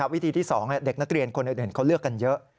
วิธีที่๒เด็กนักเรียนคนอื่นเขาเลือกกันเยอะ